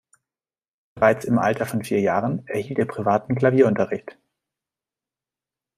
Bereits im Alter von vier Jahren erhielt er privaten Klavierunterricht.